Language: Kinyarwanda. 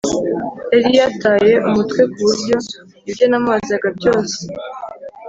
Yari yataye umutwe ku buryo ibyo namubazaga byose